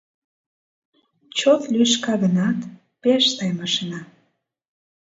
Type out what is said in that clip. Чот лӱшка гынат, пеш сай машина.